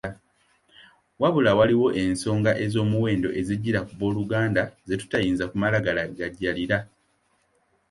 Wabula, waliwo ensonga ez’omuwendo ezijjira ku booluganda ze tutayinza kumala galagajjalira.